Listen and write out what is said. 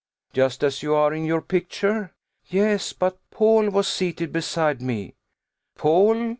"Just as you are in your picture?" "Yes: but Paul was seated beside me." "Paul!"